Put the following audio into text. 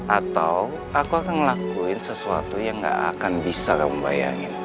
atau aku akan ngelakuin sesuatu yang gak akan bisa kamu bayangin